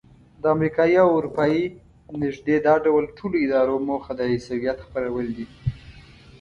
د امریکایي او اروپایي نږدې دا ډول ټولو ادارو موخه د عیسویت خپرول دي.